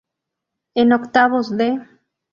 En octavos de